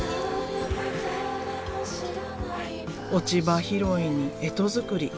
落ち葉拾いに干支作り。